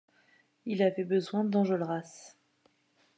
Il avait besoin d’Enjolras.